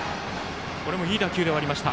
これもいい打球ではありました。